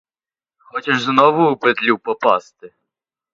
Хочеш знову у петлю попасти?